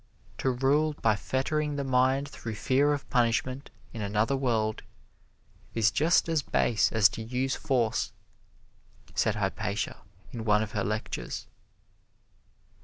"To rule by fettering the mind through fear of punishment in another world is just as base as to use force," said Hypatia in one of her lectures.